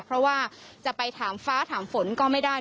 เพราะว่าจะไปถามฟ้าถามฝนก็ไม่ได้